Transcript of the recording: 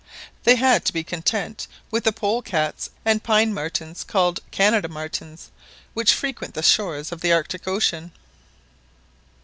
They had to be content with the polecats and pine martens, called " Canada martens," which frequent the shores of the Arctic Ocean.